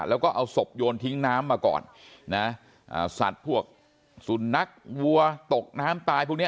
แล้วก็เอาศพโยนทิ้งน้ำมาก่อนนะสัตว์พวกสุนัขวัวตกน้ำตายพวกเนี้ย